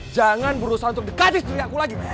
jangan berusaha untuk dekati istri aku lagi